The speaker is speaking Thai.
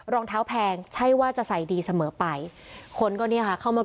รองเท้าแพงใช่ว่าจะใส่ดีเสมอไปคนก็เนี่ยค่ะเข้ามา